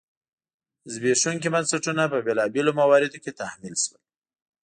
زبېښونکي بنسټونه په بېلابېلو مواردو کې تحمیل شول.